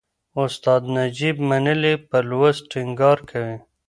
استاد نجيب منلی پر لوست ټینګار کوي.